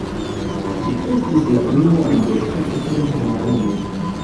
Ĝi estis la unua universitato en Hungario.